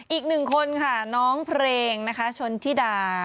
อีกหนึ่งคนค่ะน้องเพลงนะคะชนธิดา